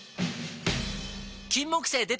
金木犀でた！